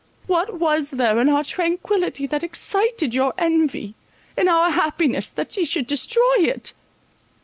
What was there in our tranquillity, that excited your envy—in our happiness, that ye should destroy it?